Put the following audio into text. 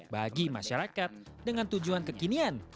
bagi masyarakat dengan tujuan kekinian